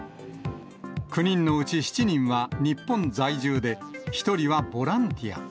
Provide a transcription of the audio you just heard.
９人のうち７人は日本在住で、１人はボランティア。